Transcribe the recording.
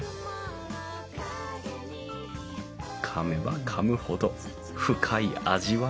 かめばかむほど深い味わい。